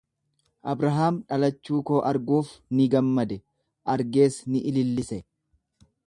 Abrahaam dhalachuu koo arguuf ni gammade, argees ni ilillise.